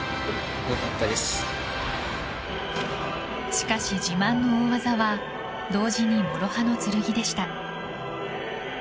しかし自慢の大技は同時に諸刃の剣でした。